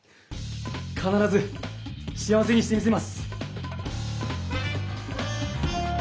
かならず幸せにしてみせます！